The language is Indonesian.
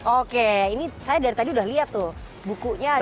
oke ini saya dari tadi udah lihat tuh bukunya